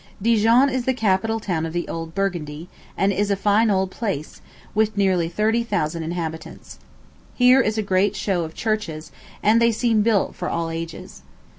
Dijon is the capital town of the old Burgundy, and is a fine old place, with nearly thirty thousand inhabitants. Here is a great show of churches, and they seem built for all ages.